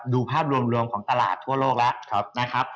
ดูภาพรวมของตลาดทั่วโลกแล้ว